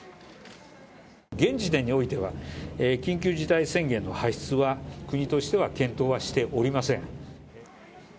現時点においては、緊急事態宣言の発出は、国としては検討はしておりません。